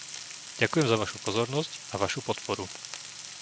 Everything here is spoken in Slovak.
Ďakujem za vašu pozornosť a vašu podporu.